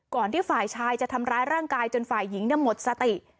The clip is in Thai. ที่ฝ่ายชายจะทำร้ายร่างกายจนฝ่ายหญิงหมดสติ